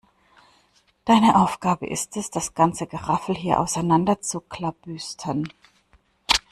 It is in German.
Deine Aufgabe ist es, das ganze Geraffel hier auseinander zu klabüstern.